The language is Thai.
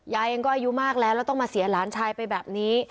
ยายเองก็อายุมากแล้วแล้วต้องมาเสียหลานชายไปแบบนี้